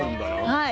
はい。